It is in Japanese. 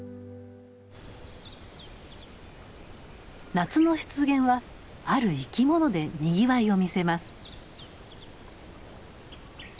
夏の湿原はある生き物でにぎわいを見せます。